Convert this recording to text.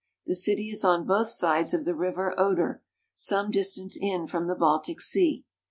The city is on both sides of the River Oder, some distance in from the Baltic Sea.